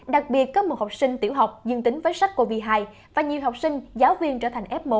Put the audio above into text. đặc biệt có một học sinh tiểu học dương tính với sars cov hai và nhiều học sinh giáo viên trở thành f một